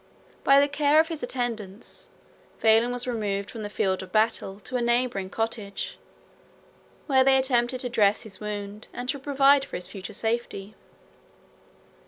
By the care of his attendants, Valens was removed from the field of battle to a neighboring cottage, where they attempted to dress his wound, and to provide for his future safety.